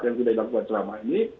yang sudah dilakukan selama ini